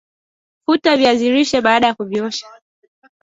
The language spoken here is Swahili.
Futa viazi lishe baada ya kuviosha